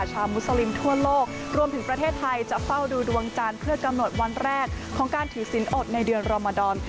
ชาวมุสลิมทั่วโลกรวมถึงประเทศไทยจะเฝ้าดูดวงจันทร์เพื่อกำหนดวันแรกของการถือสินอดในเดือนรมดร